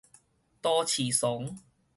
都市倯